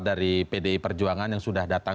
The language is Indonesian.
dari pdi perjuangan yang sudah datang